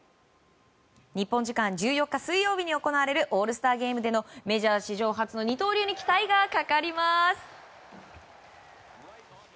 日本時間の１４日水曜日に行われるオールスターゲームでのメジャー史上初の二刀流に期待がかかります。